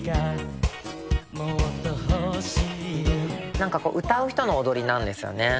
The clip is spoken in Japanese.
何か歌う人の踊りなんですよね。